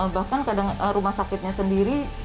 bahkan kadang rumah sakitnya sendiri